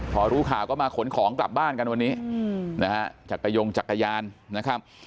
พอรู้ข่าวก็มาขนของกลับบ้านกันวันนี้นะฮะจักรยงจักรยานนะครับ